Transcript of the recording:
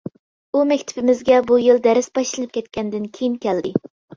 ئۇ مەكتىپىمىزگە بۇ يىل دەرس باشلىنىپ كەتكەندىن كېيىن كەلدى.